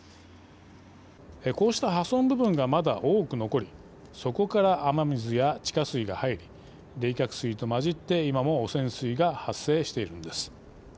こうした破損部分がまだ多く残りそこから雨水や地下水が入り冷却水と混じって今も汚染水が発生しているのです。